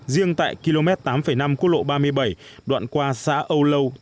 riêng tại km tám năm quốc lộ ba mươi bảy đoạn qua xã âu lâu